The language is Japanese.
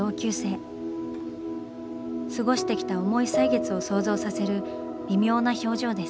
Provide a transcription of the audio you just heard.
過ごしてきた重い歳月を想像させる微妙な表情です。